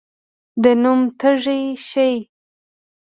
د نوم تږی شي.